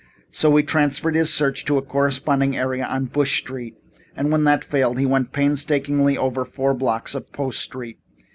So he transferred his search to a corresponding area on Bush Street, and when that failed, he went painstakingly over four blocks of Post Street.